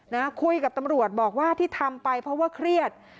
นะคุยกับตำรวจบอกว่าที่ทำไปเพราะว่าเครียด